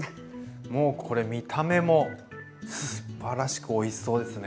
もうこれ見た目もすばらしくおいしそうですね。